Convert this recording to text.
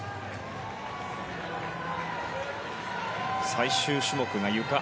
最終種目がゆか。